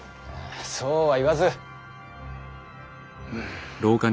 そうは言わず。